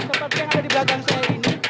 tempat yang ada di belakang saya ini